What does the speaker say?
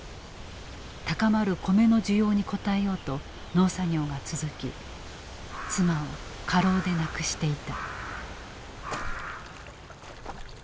高まる米の需要に応えようと農作業が続き妻を過労で亡くしていた。